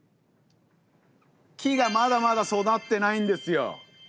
木がまだまだ育ってないんですよ。